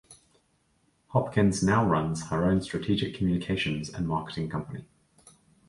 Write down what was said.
Hopkins now runs her own strategic communications and marketing company.